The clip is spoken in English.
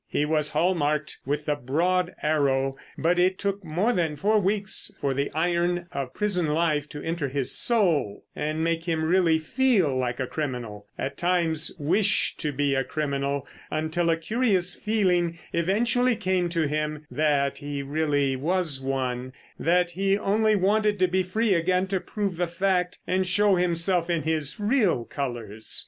He was hall marked with the broad arrow, but it took more than four weeks for the iron of prison life to enter his soul and make him really feel like a criminal; at times wish to be a criminal—until a curious feeling eventually came to him that he really was one—that he only wanted to be free again to prove the fact and show himself in his real colours.